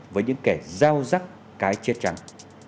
với những kẻ giao rắc cái chết trắng